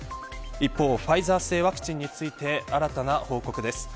一方ファイザー製ワクチンについて新たな報告です。